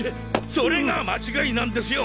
それが間違いなんですよ！